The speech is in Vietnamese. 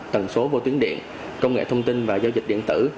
tần số vô tuyến điện công nghệ thông tin và giao dịch điện tử